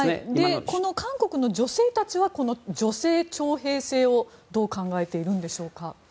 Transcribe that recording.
この韓国の女性たちはこの女性徴兵制をどう考えているんでしょうか。